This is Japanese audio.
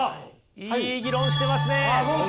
いい議論してますね。